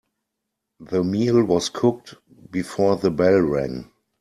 The meal was cooked before the bell rang.